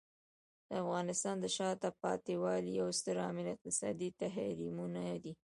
د افغانستان د شاته پاتې والي یو ستر عامل اقتصادي تحریمونه دي.